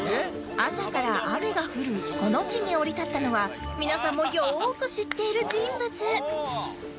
朝から雨が降るこの地に降り立ったのは皆さんもよーく知っている人物